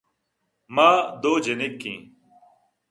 ما دو جِنک ایں